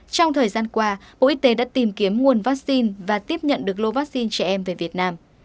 trong thời gian qua bộ y tế đã tìm kiếm nguồn vaccine và tiếp nhận được lô vaccine trẻ em về việt nam